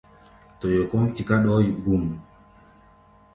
Toyo kɔ́ʼm tiká ɗɔɔ́ yi gum.